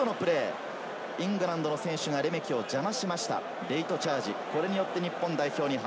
イングランドの選手がレメキを邪魔しました、レイトチャージ。